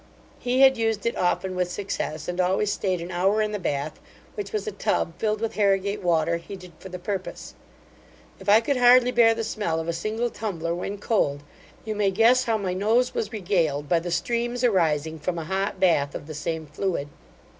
He had used it often with success and always stayed an hour in the bath, which was a tub filled with Harrigate water, heated for the purpose. If I could hardly bear the smell of a single tumbler when cold, you may guess how my nose was regaled by the streams arising from a hot bath of the same fluid.